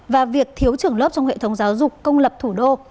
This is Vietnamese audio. và việc thiếu trưởng lớp trong hệ thống giáo dục công lập thủ đô